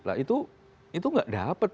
nah itu nggak dapat